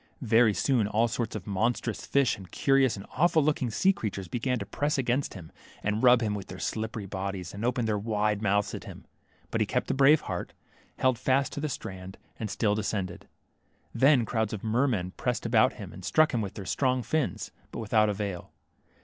Yery soon all sorts of monstrous fish, and curious and awful looking sea creatures began to press against him, and rub him with their slippery bodies, and open their wide mouths at him. But he kept a brave heart, held fast to the strand, and still descended. Then crowds of mermen pressed about him, and struck him with their strong fins, but with out avail.